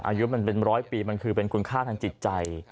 อายุมันเป็นร้อยปีมันคือเป็นคุณค่าทางจิตใจ